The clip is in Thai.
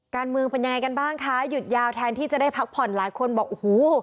การเมืองเป็นยังไงกันบ้างคะหยุดยาวแทนที่จะได้พักผ่อนหลายคนบอกโอ้โห